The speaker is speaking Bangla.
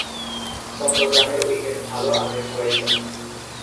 চট্টগ্রামের উইকেট ভালো, আমরা সবাই জানি।